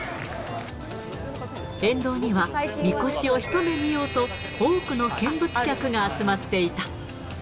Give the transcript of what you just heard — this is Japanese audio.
沿道には、みこしを一目見ようと、多くの見物客が集まっていた。